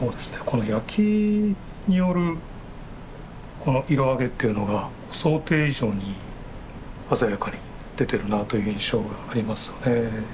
この焼きによるこの色あげっていうのが想定以上に鮮やかに出てるなという印象がありますよね。